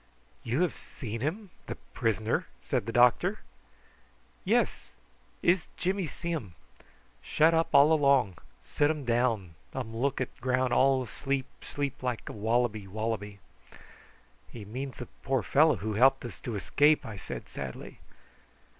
"You have seen him the prisoner?" said the doctor. "Yes; iss Jimmy see um. Shut up all along. Sittum down, um look at ground all sleep, sleep like wallaby, wallaby." "He means the poor fellow who helped us to escape," I said sadly.